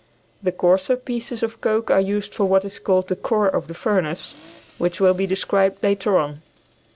The coarser pieces of coke are used for what is called the core of the furnace, which will be described later on.